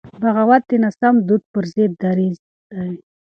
بغاوت د ناسم دود پر ضد دریځ دی.